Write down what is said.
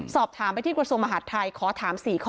สอบถามไปที่กระทรวงมหาดไทยขอถาม๔ข้อ